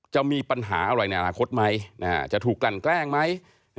จะมีปัญหาอะไรในอนาคตไหมจะถูกกลั่นแกล้งไหม